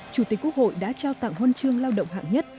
chủ tịch quốc hội đã trao tặng huân chương lao động hạng nhất